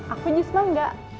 aku jus mah enggak